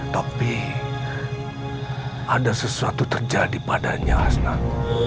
tapi ada sesuatu terjadi padanya hasnah